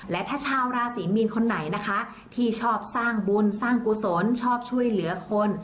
และถ้าชาวราศรีมีนคนไหนนะคะที่ชอบสร้างบุญสร้างกุศลชอบช่วยเหลือคน